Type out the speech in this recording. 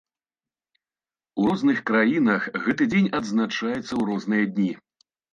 У розных краінах гэты дзень адзначаецца ў розныя дні.